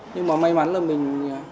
nhưng mà may mắn là mình